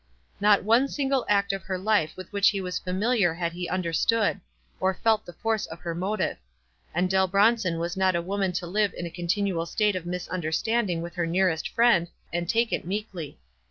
Not one single act of her life with which he was familiar had he understood, or fe.lt the force of her motive ; and Dell Bronson was not a woman to live in a continual state of misunderstanding with her nearest friend, and take it meekly.